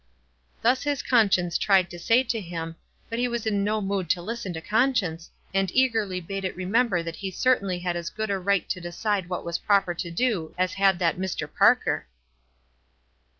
Thus his conscience tried to say to him, but WISE AND OTHERWISE. 333 he was in no mood to lisien to conscience, and eagerly bade it remember that he certainly had as good a right to decide what was proper to do as had that Mr. Parker.